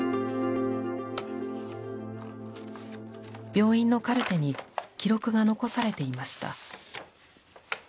病院のカルテに記録が残されていました。